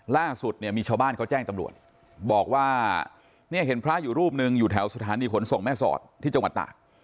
ล่าสุดเนี่ยมีชาวบ้านเขาแจ้งตำรวจบอกว่าเนี่ยเห็นพระอยู่รูปหนึ่งอยู่แถวสถานีขนส่งแม่สอดที่จังหวัดตาก